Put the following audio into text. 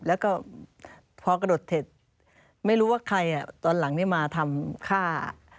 แล้วก็พอกระโดดเสร็จไม่รู้ว่าใครตอนหลังนี่มาทำฆ่า